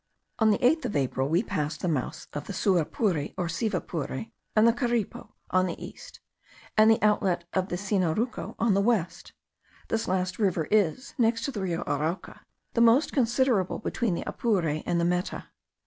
On the 8th of April we passed the mouths of the Suapure or Sivapuri, and the Caripo, on the east, and the outlet of the Sinaruco on the west. This last river is, next to the Rio Arauca, the most considerable between the Apure and the Meta.